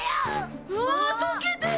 うわ溶けてる！